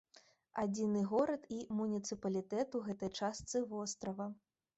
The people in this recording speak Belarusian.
Адзіны горад і муніцыпалітэт у гэтай частцы вострава.